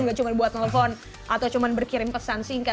nggak cuma buat telepon atau cuma berkirim pesan singkat